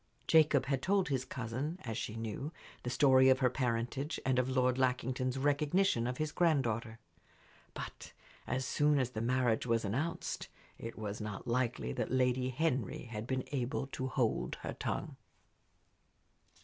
Jacob had told his cousin, as she knew, the story of her parentage and of Lord Lackington's recognition of his granddaughter. But as soon as the marriage was announced it was not likely that Lady Henry had been able to hold her tongue.